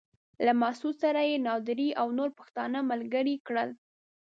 له مسعود سره يې نادري او نور پښتانه ملګري کړل.